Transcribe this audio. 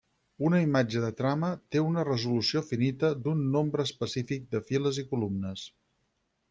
Una imatge de trama té una resolució finita d'un nombre específic de files i columnes.